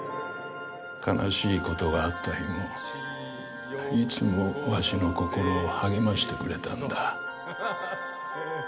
悲しいことがあった日もいつもわしの心を励ましてくれたんだ。